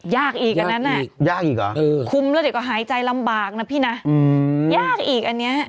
ยากอีกอันนั้นคุมแล้วเด็กก็หายใจลำบากนะพี่นะยากอีกอันนี้